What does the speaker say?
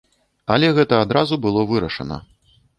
Але гэта адразу было вырашана.